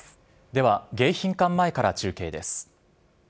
では、迎賓館前から中継です。